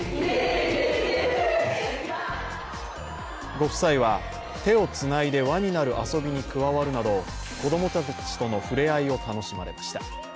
ご夫妻は手をつないで輪になる遊びに加わるなど子供たちとの触れ合いを楽しまれました。